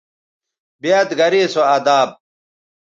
بیاد گرے سو اداب